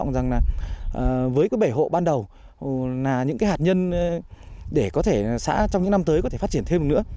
đối với các bể hộ ban đầu là những cái hạt nhân để có thể xã trong những năm tới có thể phát triển thêm nữa